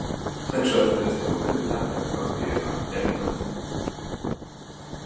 Aceasta este o veritabilă parodie a democrației.